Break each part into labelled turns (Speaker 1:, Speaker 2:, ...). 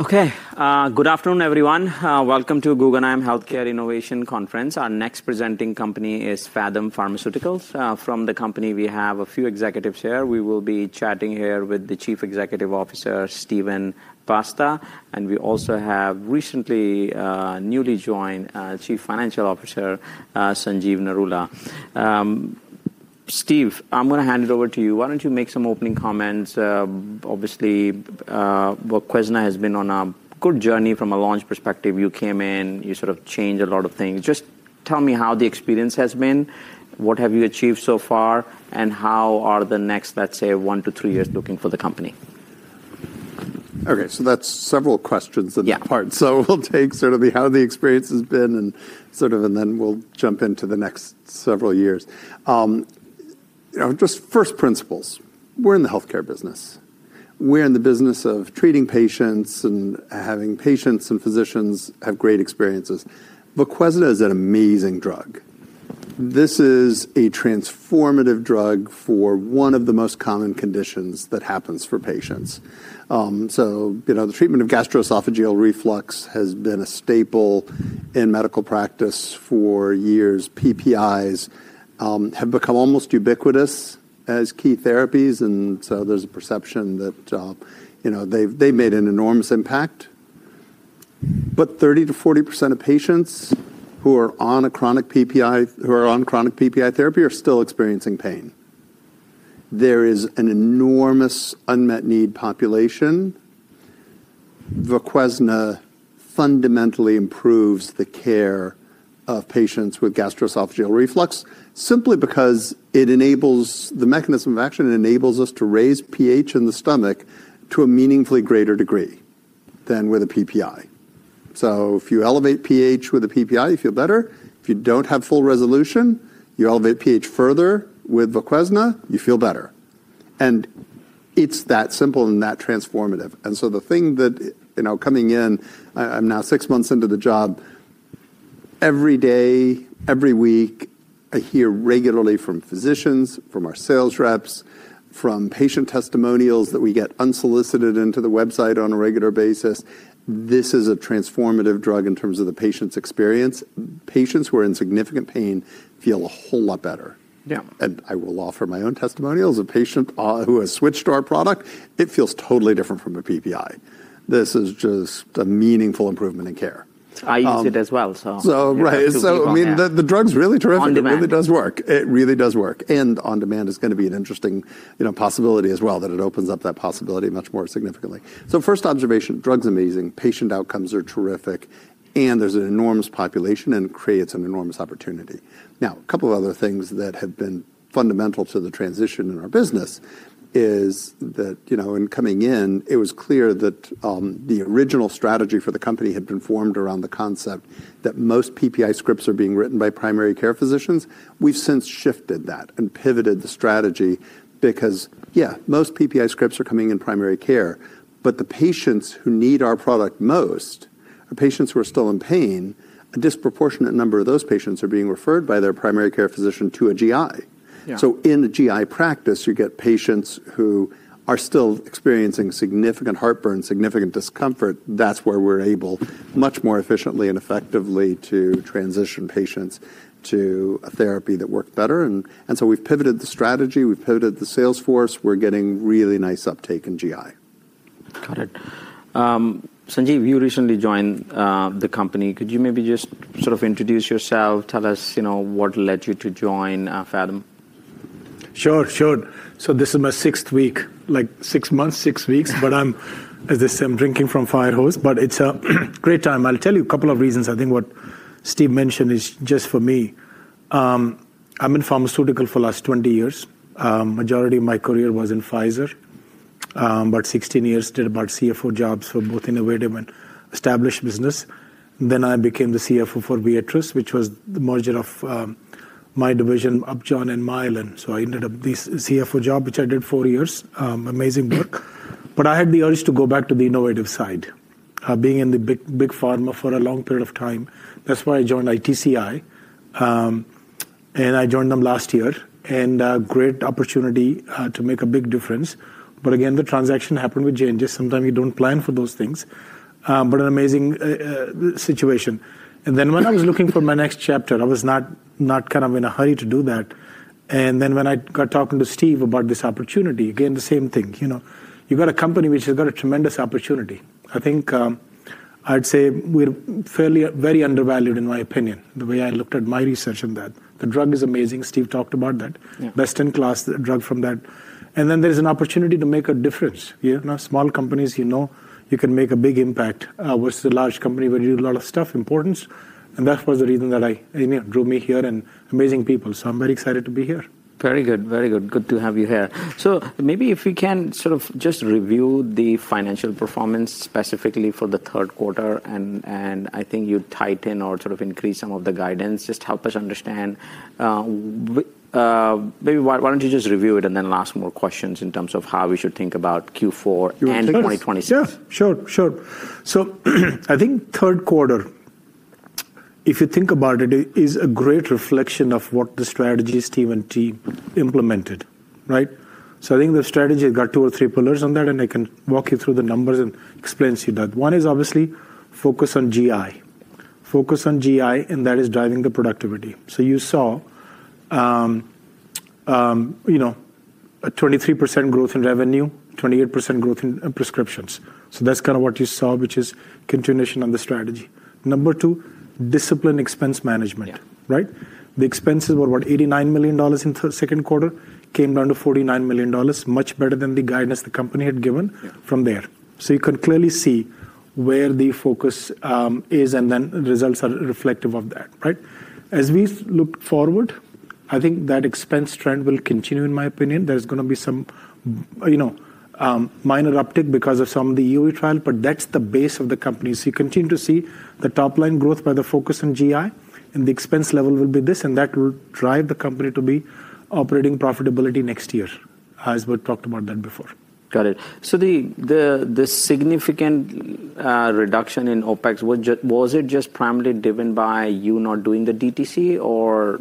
Speaker 1: Okay. Good afternoon, everyone. Welcome to Guggenheim Healthcare Innovation Conference. Our next presenting company is Phathom Pharmaceuticals. From the company, we have a few executives here. We will be chatting here with the Chief Executive Officer, Steven Basta, and we also have recently newly joined Chief Financial Officer, Sanjeev Narula. Steve, I'm going to hand it over to you. Why don't you make some opening comments? Obviously, VOQUEZNA has been on a good journey from a launch perspective. You came in, you sort of changed a lot of things. Just tell me how the experience has been, what have you achieved so far, and how are the next, let's say, one to three years looking for the company?
Speaker 2: Okay. That's several questions in part. We'll take sort of how the experience has been, and then we'll jump into the next several years. Just first principles, we're in the healthcare business. We're in the business of treating patients and having patients and physicians have great experiences. VOQUEZNA is an amazing drug. This is a transformative drug for one of the most common conditions that happens for patients. The treatment of gastroesophageal reflux has been a staple in medical practice for years. PPIs have become almost ubiquitous as key therapies, and there's a perception that they've made an enormous impact. However, 30%-40% of patients who are on chronic PPI therapy are still experiencing pain. There is an enormous unmet need population. VOQUEZNA fundamentally improves the care of patients with gastroesophageal reflux simply because it enables the mechanism of action; it enables us to raise pH in the stomach to a meaningfully greater degree than with a PPI. If you elevate pH with a PPI, you feel better. If you do not have full resolution, you elevate pH further with VOQUEZNA, you feel better. It is that simple and that transformative. The thing that coming in, I am now six months into the job, every day, every week, I hear regularly from physicians, from our sales reps, from patient testimonials that we get unsolicited into the website on a regular basis. This is a transformative drug in terms of the patient's experience. Patients who are in significant pain feel a whole lot better. I will offer my own testimonials. A patient who has switched to our product, it feels totally different from a PPI. This is just a meaningful improvement in care.
Speaker 1: I use it as well, so.
Speaker 2: Right. I mean, the drug's really terrific. It really does work. On demand is going to be an interesting possibility as well, that it opens up that possibility much more significantly. First observation, drug's amazing, patient outcomes are terrific, and there's an enormous population and creates an enormous opportunity. Now, a couple of other things that have been fundamental to the transition in our business is that in coming in, it was clear that the original strategy for the company had been formed around the concept that most PPI scripts are being written by primary care physicians. We've since shifted that and pivoted the strategy because, yeah, most PPI scripts are coming in primary care, but the patients who need our product most are patients who are still in pain. A disproportionate number of those patients are being referred by their primary care physician to a GI. In the GI practice, you get patients who are still experiencing significant heartburn, significant discomfort. That is where we are able much more efficiently and effectively to transition patients to a therapy that works better. We have pivoted the strategy, we have pivoted the sales force, we are getting really nice uptake in GI.
Speaker 1: Got it. Sanjeev, you recently joined the company. Could you maybe just sort of introduce yourself? Tell us what led you to join Phathom?
Speaker 3: Sure, sure. This is my sixth week, like six months, six weeks, but as I said, I'm drinking from a fire hose, but it's a great time. I'll tell you a couple of reasons. I think what Steve mentioned is just for me. I'm in pharmaceutical for the last 20 years. Majority of my career was in Pfizer, about 16 years, did about CFO jobs for both innovative and established business. Then I became the CFO for Viatris, which was the merger of my division, Upjohn and Mylan. I ended up with this CFO job, which I did four years, amazing work. I had the urge to go back to the innovative side, being in Big Pharma for a long period of time. That's why I joined Intra-Cellular Therapies, and I joined them last year. Great opportunity to make a big difference. Again, the transaction happened with changes. Sometimes you do not plan for those things, but an amazing situation. Then when I was looking for my next chapter, I was not kind of in a hurry to do that. Then when I got talking to Steve about this opportunity, again, the same thing. You have got a company which has got a tremendous opportunity. I think I would say we are fairly very undervalued in my opinion, the way I looked at my research on that. The drug is amazing. Steve talked about that. Best in class drug from that. Then there is an opportunity to make a difference. Small companies, you know, you can make a big impact versus a large company where you do a lot of stuff, importants. That was the reason that drew me here and amazing people. I am very excited to be here.
Speaker 1: Very good, very good. Good to have you here. Maybe if we can sort of just review the financial performance specifically for the third quarter, and I think you tighten or sort of increase some of the guidance, just help us understand. Maybe why don't you just review it and then ask more questions in terms of how we should think about Q4 and 2026?
Speaker 3: Yeah, sure, sure. I think third quarter, if you think about it, is a great reflection of what the strategy Steven implemented, right? I think the strategy has got two or three pillars on that, and I can walk you through the numbers and explain to you that one is obviously focus on GI, focus on GI, and that is driving the productivity. You saw a 23% growth in revenue, 28% growth in prescriptions. That is kind of what you saw, which is continuation on the strategy. Number two, discipline expense management, right? The expenses were about $89 million in the second quarter, came down to $49 million, much better than the guidance the company had given from there. You can clearly see where the focus is, and then results are reflective of that, right? As we look forward, I think that expense trend will continue, in my opinion. There's going to be some minor uptick because of some of the EoE trial, but that's the base of the company. You continue to see the top line growth by the focus on GI, and the expense level will be this, and that will drive the company to be operating profitability next year, as we've talked about that before.
Speaker 1: Got it. So the significant reduction in OpEX, was it just primarily driven by you not doing the DTC, or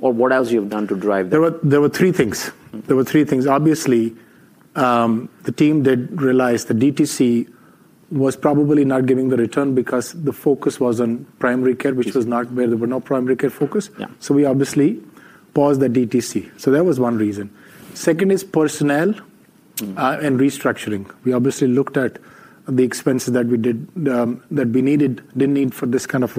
Speaker 1: what else you've done to drive that?
Speaker 3: There were three things. Obviously, the team did realize the DTC was probably not giving the return because the focus was on primary care, which was not where there were no primary care focus. We obviously paused the DTC. That was one reason. Second is personnel and restructuring. We obviously looked at the expenses that we did, that we needed, did not need for this kind of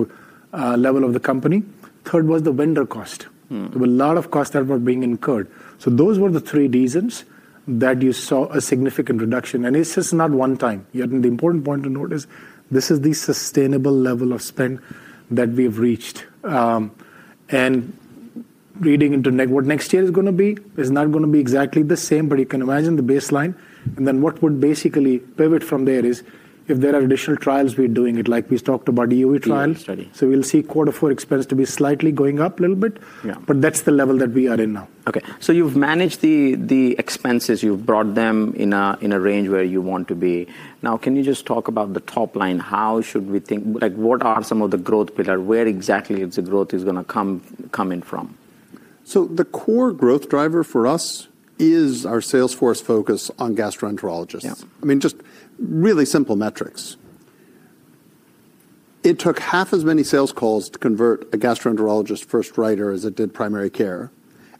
Speaker 3: level of the company. Third was the vendor cost. There were a lot of costs that were being incurred. Those were the three reasons that you saw a significant reduction. This is not one time. The important point to note is this is the sustainable level of spend that we have reached. Reading into what next year is going to be is not going to be exactly the same, but you can imagine the baseline. What would basically pivot from there is if there are additional trials, we're doing it like we talked about EoE trial. We'll see quarter four expense to be slightly going up a little bit, but that's the level that we are in now.
Speaker 1: Okay. So you've managed the expenses, you've brought them in a range where you want to be. Now, can you just talk about the top line? How should we think? What are some of the growth pillars? Where exactly is the growth going to come in from?
Speaker 2: The core growth driver for us is our sales force focus on gastroenterologists. I mean, just really simple metrics. It took half as many sales calls to convert a gastroenterologist first writer as it did primary care.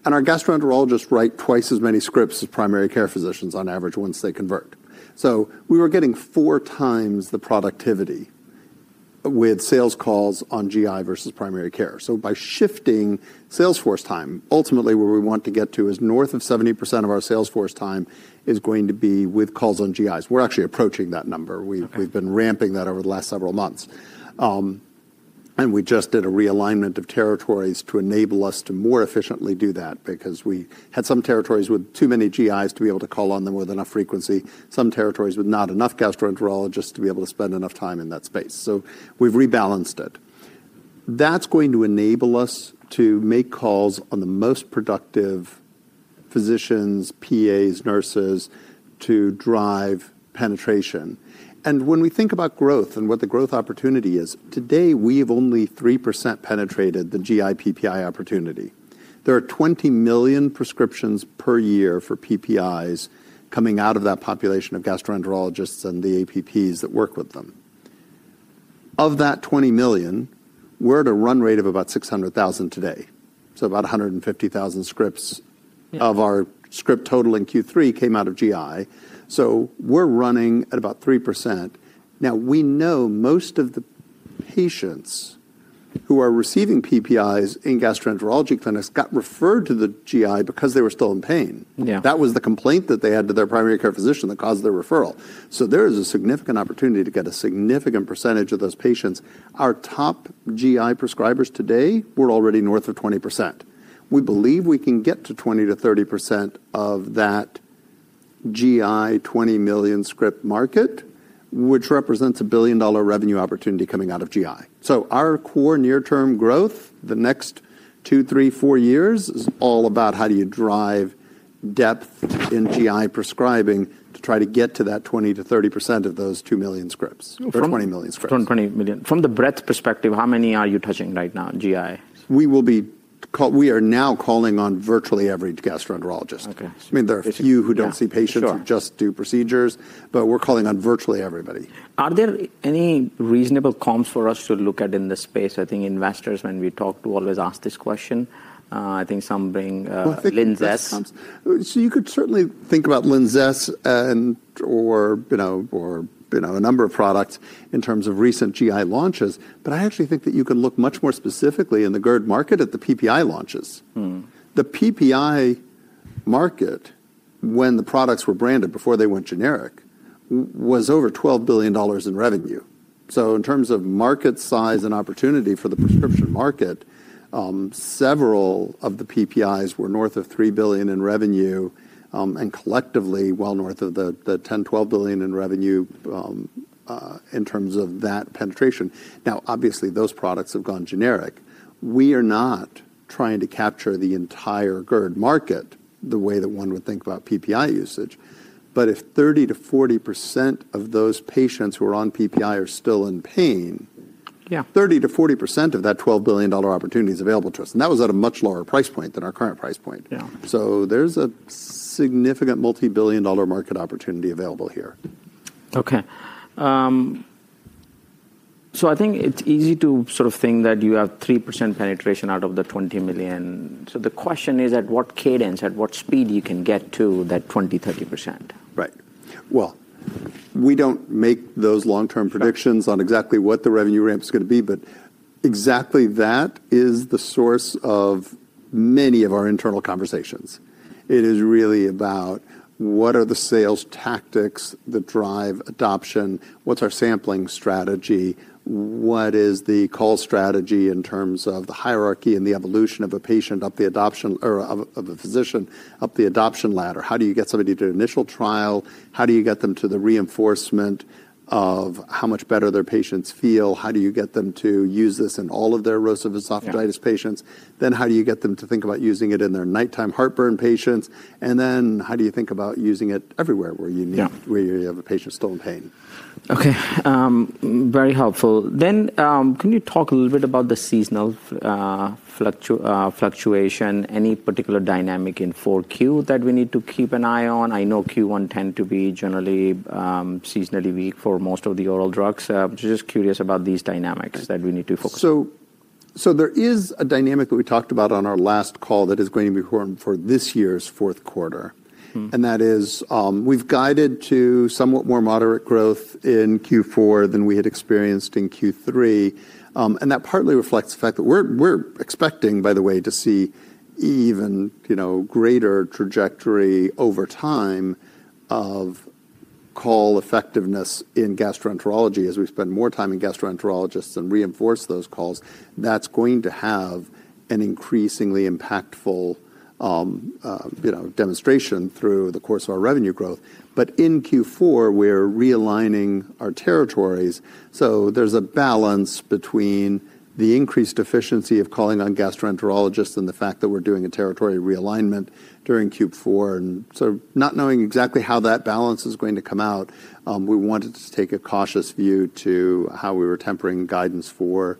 Speaker 2: Our gastroenterologists write twice as many scripts as primary care physicians on average once they convert. We were getting four times the productivity with sales calls on GI versus primary care. By shifting sales force time, ultimately where we want to get to is north of 70% of our sales force time is going to be with calls on GIs. We're actually approaching that number. We've been ramping that over the last several months. We just did a realignment of territories to enable us to more efficiently do that because we had some territories with too many GIs to be able to call on them with enough frequency, some territories with not enough gastroenterologists to be able to spend enough time in that space. We have rebalanced it. That is going to enable us to make calls on the most productive physicians, PAs, nurses to drive penetration. When we think about growth and what the growth opportunity is, today we have only 3% penetrated the GI PPI opportunity. There are 20 million prescriptions per year for PPIs coming out of that population of gastroenterologists and the APPs that work with them. Of that 20 million, we are at a run rate of about 600,000 today. About 150,000 scripts of our script total in Q3 came out of GI. We're running at about 3%. Now, we know most of the patients who are receiving PPIs in gastroenterology clinics got referred to the GI because they were still in pain. That was the complaint that they had to their primary care physician that caused their referral. There is a significant opportunity to get a significant percentage of those patients. Our top GI prescribers today are already north of 20%. We believe we can get to 20%-30% of that GI 20 million script market, which represents a billion dollar revenue opportunity coming out of GI. Our core near-term growth, the next two, three, four years, is all about how do you drive depth in GI prescribing to try to get to that 20%-30% of those 20 million scripts.
Speaker 1: From the breadth perspective, how many are you touching right now, GI?
Speaker 2: We are now calling on virtually every gastroenterologist. I mean, there are a few who don't see patients who just do procedures, but we're calling on virtually everybody.
Speaker 1: Are there any reasonable comps for us to look at in this space? I think investors, when we talk, do always ask this question. I think some bring LINZESS.
Speaker 2: You could certainly think about LINZESS or a number of products in terms of recent GI launches, but I actually think that you can look much more specifically in the GERD market at the PPI launches. The PPI market, when the products were branded before they went generic, was over $12 billion in revenue. In terms of market size and opportunity for the prescription market, several of the PPIs were north of $3 billion in revenue and collectively well north of the $10 billion-$12 billion in revenue in terms of that penetration. Now, obviously, those products have gone generic. We are not trying to capture the entire GERD market the way that one would think about PPI usage. If 30%-40% of those patients who are on PPI are still in pain, 30%-40% of that $12 billion opportunity is available to us. That was at a much lower price point than our current price point. There is a significant multi-billion dollar market opportunity available here.
Speaker 1: Okay. I think it's easy to sort of think that you have 3% penetration out of the 20 million. The question is at what cadence, at what speed you can get to that 20%-30%?
Speaker 2: Right. We do not make those long-term predictions on exactly what the revenue ramp is going to be, but exactly that is the source of many of our internal conversations. It is really about what are the sales tactics that drive adoption? What is our sampling strategy? What is the call strategy in terms of the hierarchy and the evolution of a patient up the adoption or of a physician up the adoption ladder? How do you get somebody to initial trial? How do you get them to the reinforcement of how much better their patients feel? How do you get them to use this in all of their erosive esophagitis patients? How do you get them to think about using it in their nighttime heartburn patients? How do you think about using it everywhere where you have a patient still in pain?
Speaker 1: Okay. Very helpful. Can you talk a little bit about the seasonal fluctuation? Any particular dynamic in 4Q that we need to keep an eye on? I know Q1 tends to be generally seasonally weak for most of the oral drugs. Just curious about these dynamics that we need to focus on.
Speaker 2: There is a dynamic that we talked about on our last call that is going to be important for this year's fourth quarter. That is, we've guided to somewhat more moderate growth in Q4 than we had experienced in Q3. That partly reflects the fact that we're expecting, by the way, to see even greater trajectory over time of call effectiveness in gastroenterology as we spend more time in gastroenterologists and reinforce those calls. That's going to have an increasingly impactful demonstration through the course of our revenue growth. In Q4, we're realigning our territories. There is a balance between the increased efficiency of calling on gastroenterologists and the fact that we're doing a territory realignment during Q4. Not knowing exactly how that balance is going to come out, we wanted to take a cautious view to how we were tempering guidance for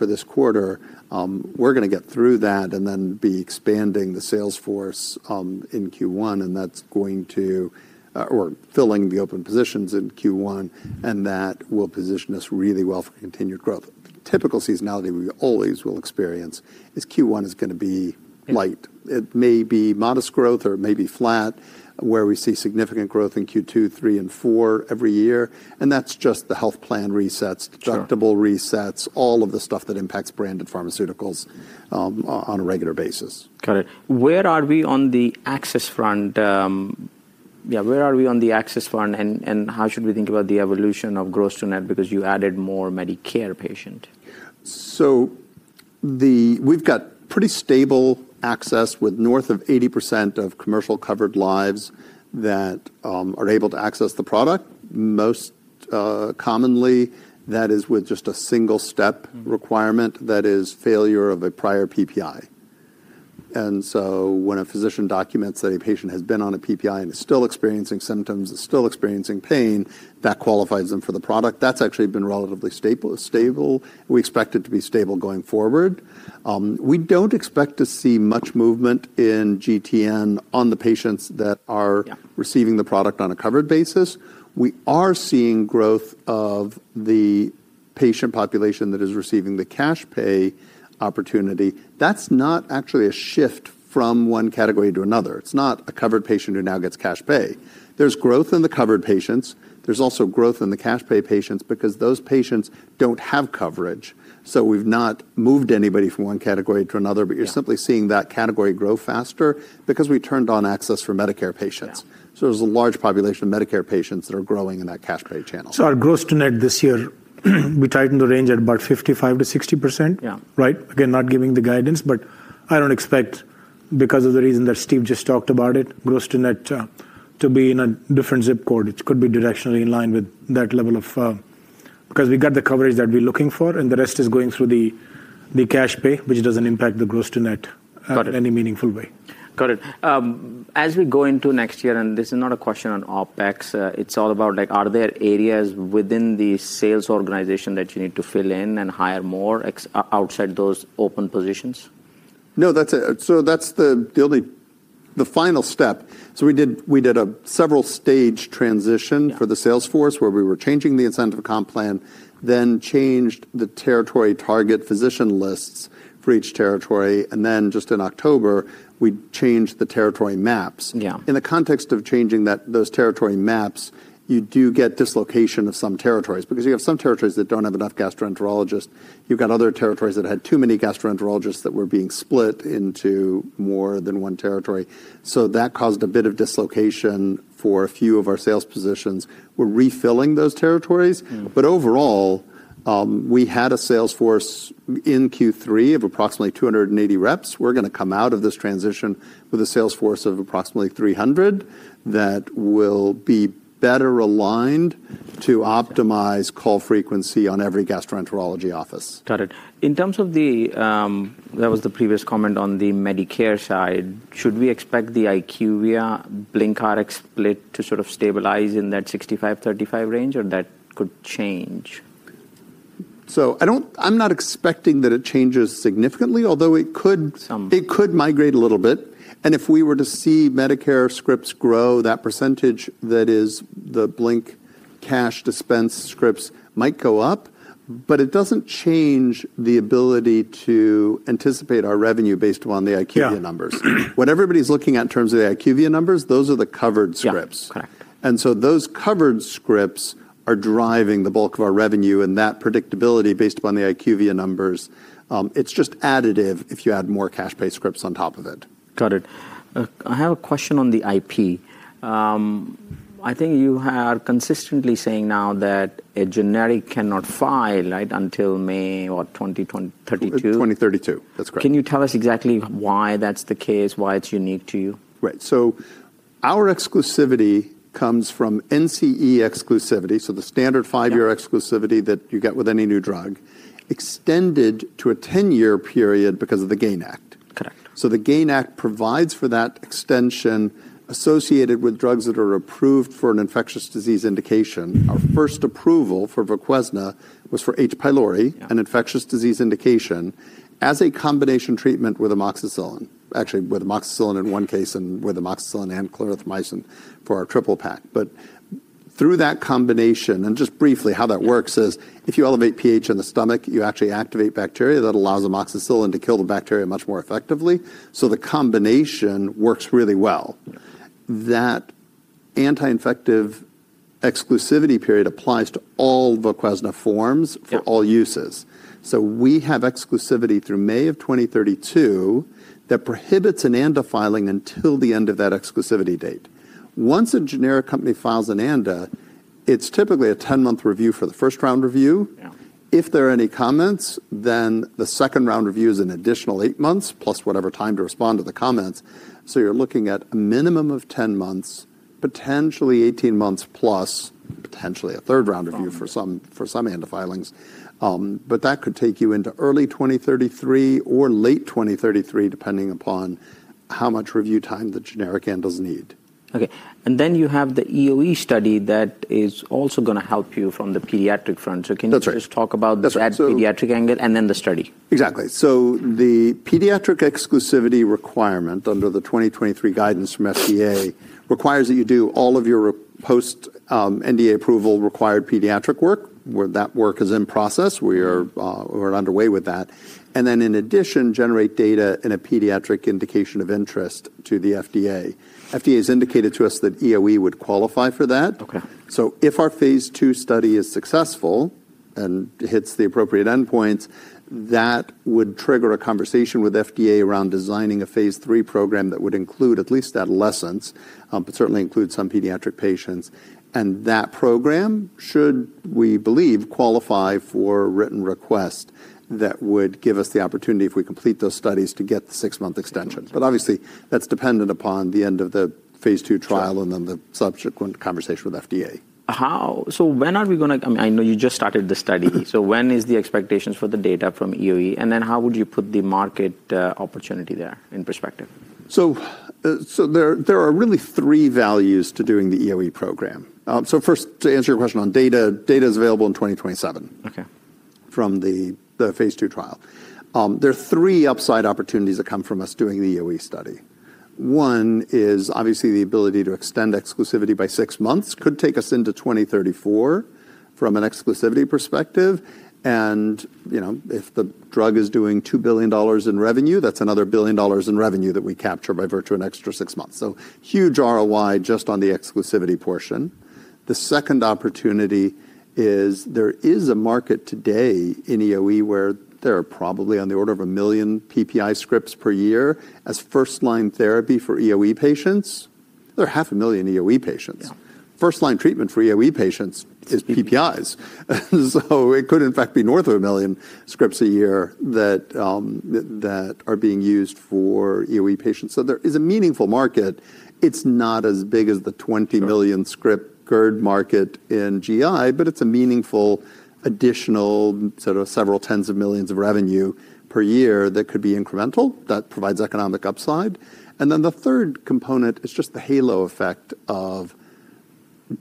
Speaker 2: this quarter. We're going to get through that and then be expanding the sales force in Q1, or filling the open positions in Q1, and that will position us really well for continued growth. Typical seasonality we always will experience is Q1 is going to be light. It may be modest growth or it may be flat, where we see significant growth in Q2, Q3, and Q4 every year. That is just the health plan resets, deductible resets, all of the stuff that impacts branded pharmaceuticals on a regular basis.
Speaker 1: Got it. Where are we on the access front? Yeah, where are we on the access front? And how should we think about the evolution of gross to net because you added more Medicare patient?
Speaker 2: We've got pretty stable access with north of 80% of commercial covered lives that are able to access the product. Most commonly, that is with just a single step requirement, that is failure of a prior PPI. When a physician documents that a patient has been on a PPI and is still experiencing symptoms, is still experiencing pain, that qualifies them for the product. That's actually been relatively stable. We expect it to be stable going forward. We don't expect to see much movement in GTN on the patients that are receiving the product on a covered basis. We are seeing growth of the patient population that is receiving the cash pay opportunity. That's not actually a shift from one category to another. It's not a covered patient who now gets cash pay. There's growth in the covered patients. There's also growth in the cash pay patients because those patients don't have coverage. We've not moved anybody from one category to another, but you're simply seeing that category grow faster because we turned on access for Medicare patients. There's a large population of Medicare patients that are growing in that cash pay channel.
Speaker 3: Our gross to net this year, we tightened the range at about 55%-60%, right? Again, not giving the guidance, but I do not expect because of the reason that Steve just talked about it, gross to net to be in a different zip code. It could be directionally in line with that level because we got the coverage that we are looking for, and the rest is going through the cash pay, which does not impact the gross to net in any meaningful way.
Speaker 1: Got it. As we go into next year, and this is not a question on OpEX, it's all about are there areas within the sales organization that you need to fill in and hire more outside those open positions?
Speaker 2: No, so that's the final step. We did a several stage transition for the sales force where we were changing the incentive comp plan, then changed the territory target physician lists for each territory. In October, we changed the territory maps. In the context of changing those territory maps, you do get dislocation of some territories because you have some territories that do not have enough gastroenterologists. You have other territories that had too many gastroenterologists that were being split into more than one territory. That caused a bit of dislocation for a few of our sales positions. We are refilling those territories. Overall, we had a sales force in Q3 of approximately 280 reps. We are going to come out of this transition with a sales force of approximately 300 that will be better aligned to optimize call frequency on every gastroenterology office.
Speaker 1: Got it. In terms of the, that was the previous comment on the Medicare side, should we expect the IQVIA/Blink Health split to sort of stabilize in that 65-35 range, or that could change?
Speaker 2: I'm not expecting that it changes significantly, although it could migrate a little bit. If we were to see Medicare scripts grow, that percentage that is the Blink cash dispense scripts might go up, but it doesn't change the ability to anticipate our revenue based upon the IQVIA numbers. What everybody's looking at in terms of the IQVIA numbers, those are the covered scripts. Those covered scripts are driving the bulk of our revenue, and that predictability based upon the IQVIA numbers, it's just additive if you add more cash pay scripts on top of it.
Speaker 1: Got it. I have a question on the IP. I think you are consistently saying now that a generic cannot file until May 2032.
Speaker 2: 2032. That's correct.
Speaker 1: Can you tell us exactly why that's the case, why it's unique to you?
Speaker 2: Right. So our exclusivity comes from NCE exclusivity, so the standard five-year exclusivity that you get with any new drug, extended to a 10-year period because of the GAIN Act. The GAIN Act provides for that extension associated with drugs that are approved for an infectious disease indication. Our first approval for VOQUEZNA was for H. pylori, an infectious disease indication, as a combination treatment with amoxicillin, actually with amoxicillin in one case and with amoxicillin and clarithromycin for our triple pack. Through that combination, and just briefly how that works is if you elevate pH in the stomach, you actually activate bacteria that allows amoxicillin to kill the bacteria much more effectively. The combination works really well. That anti-infective exclusivity period applies to all VOQUEZNA forms for all uses. We have exclusivity through May of 2032 that prohibits an ANDA filing until the end of that exclusivity date. Once a generic company files an ANDA, it's typically a 10-month review for the first round review. If there are any comments, then the second round review is an additional eight months plus whatever time to respond to the comments. You're looking at a minimum of 10 months, potentially 18 months plus, potentially a third round review for some ANDA filings. That could take you into early 2033 or late 2033, depending upon how much review time the generic handles need.
Speaker 1: Okay. You have the EoE study that is also going to help you from the pediatric front. Can you just talk about that pediatric angle and then the study?
Speaker 2: Exactly. The pediatric exclusivity requirement under the 2023 guidance from FDA requires that you do all of your post-NDA approval required pediatric work where that work is in process. We are underway with that. In addition, generate data in a pediatric indication of interest to the FDA. FDA has indicated to us that EoE would qualify for that. If our phase II study is successful and hits the appropriate endpoints, that would trigger a conversation with FDA around designing a phase III program that would include at least adolescents, but certainly include some pediatric patients. That program should, we believe, qualify for written request that would give us the opportunity, if we complete those studies, to get the six month extension. Obviously, that's dependent upon the end of the phase two trial and then the subsequent conversation with FDA.
Speaker 1: When are we going to, I mean, I know you just started the study. When is the expectation for the data from EoE? And then how would you put the market opportunity there in perspective?
Speaker 2: There are really three values to doing the EoE program. First, to answer your question on data, data is available in 2027 from the phase two trial. There are three upside opportunities that come from us doing the EoE study. One is obviously the ability to extend exclusivity by six months, which could take us into 2034 from an exclusivity perspective. If the drug is doing $2 billion in revenue, that's another $1 billion in revenue that we capture by virtue of an extra six months. Huge ROI just on the exclusivity portion. The second opportunity is there is a market today in EoE where there are probably on the order of 1 million PPI scripts per year as first-line therapy for EoE patients. There are 500,000 EoE patients. First-line treatment for EoE patients is PPIs. It could in fact be north of a million scripts a year that are being used for EOE patients. There is a meaningful market. It's not as big as the 20 million script GERD market in GI, but it's a meaningful additional sort of several tens of millions of revenue per year that could be incremental that provides economic upside. The third component is just the halo effect of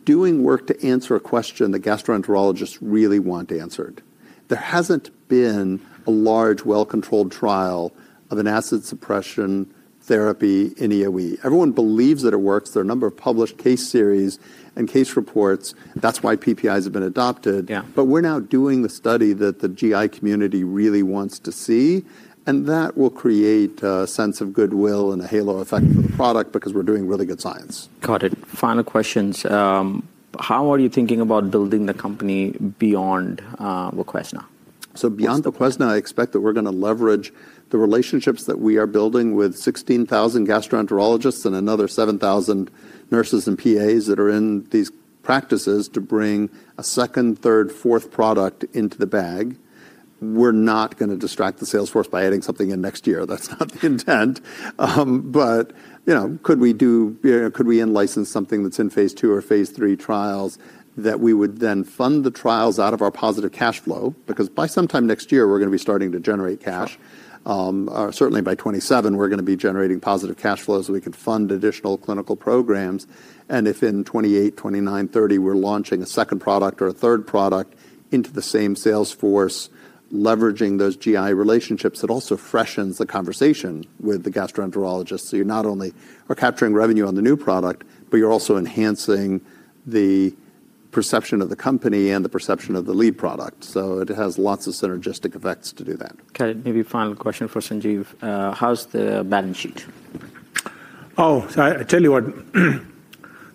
Speaker 2: doing work to answer a question that gastroenterologists really want answered. There hasn't been a large well-controlled trial of an acid suppression therapy in EoE. Everyone believes that it works. There are a number of published case series and case reports. That's why PPIs have been adopted. We're now doing the study that the GI community really wants to see. That will create a sense of goodwill and a halo effect for the product because we're doing really good science.
Speaker 1: Got it. Final questions. How are you thinking about building the company beyond Voquezna?
Speaker 2: Beyond VOQUEZNA, I expect that we're going to leverage the relationships that we are building with 16,000 gastroenterologists and another 7,000 nurses and PAs that are in these practices to bring a second, third, fourth product into the bag. We're not going to distract the sales force by adding something in next year. That's not the intent. Could we in-license something that's in phase two or phase three trials that we would then fund the trials out of our positive cash flow? Because by sometime next year, we're going to be starting to generate cash. Certainly by 2027, we're going to be generating positive cash flow so we can fund additional clinical programs. If in 2028, 2029, 2030, we're launching a second product or a third product into the same sales force, leveraging those GI relationships, it also freshens the conversation with the gastroenterologists. You not only are capturing revenue on the new product, but you're also enhancing the perception of the company and the perception of the lead product. It has lots of synergistic effects to do that.
Speaker 1: Got it. Maybe final question for Sanjeev. How's the balance sheet?
Speaker 3: Oh, so I tell you what.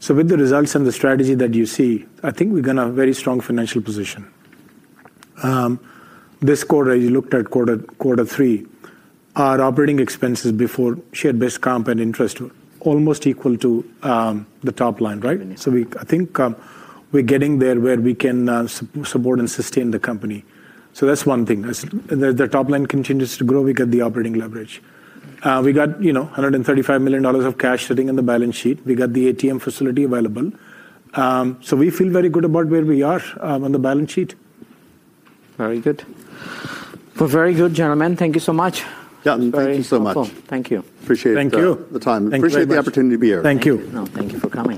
Speaker 3: With the results and the strategy that you see, I think we're going to have a very strong financial position. This quarter, as you looked at quarter three, our operating expenses before share-based comp and interest were almost equal to the top line, right? I think we're getting there where we can support and sustain the company. That's one thing. As the top line continues to grow, we get the operating leverage. We got $135 million of cash sitting in the balance sheet. We got the ATM facility available. We feel very good about where we are on the balance sheet.
Speaker 1: Very good. Very good, gentlemen. Thank you so much.
Speaker 2: Yeah, thank you so much.
Speaker 1: Thank you.
Speaker 2: Appreciate the time. Appreciate the opportunity to be here.
Speaker 3: Thank you.
Speaker 1: Thank you.